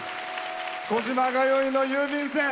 「小島通いの郵便船」。